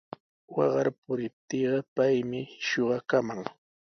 Waqar puriptiiqa paymi shuqakaman.